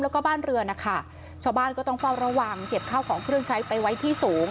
แล้วก็บ้านเรือนนะคะชาวบ้านก็ต้องเฝ้าระวังเก็บข้าวของเครื่องใช้ไปไว้ที่สูง